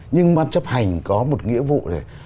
nhưng bác chấp hành có một nghĩa vụ này